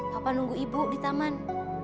kapan nunggu ibu di taman